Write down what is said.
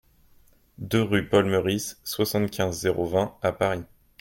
deux rue Paul Meurice, soixante-quinze, zéro vingt à Paris